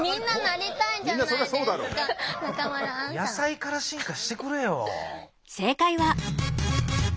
野菜から進化してくれよ。